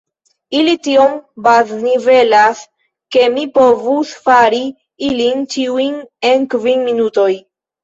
Ili tiom baznivelas, ke mi povus fari ilin ĉiujn en kvin minutoj.